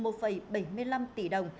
một bảy mươi năm tỷ đồng